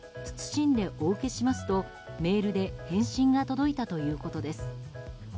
謹んでお受けしますとメールで返信が届いたということです。